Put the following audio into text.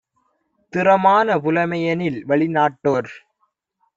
திறமான புலமையெனில் வெளி நாட்டோ ர்